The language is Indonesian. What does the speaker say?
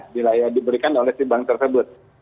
jika ya diberikan oleh si bank tersebut